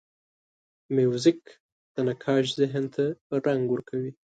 موزیک د نقاش ذهن ته رنګ ورکوي.